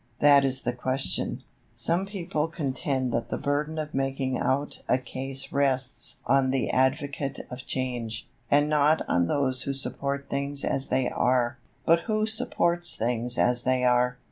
That is the question. Some people contend that the burden of making out a case rests on the advocate of change, and not on those who support things as they are. But who supports things as they are?